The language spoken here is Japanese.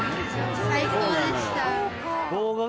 最高でしたよー。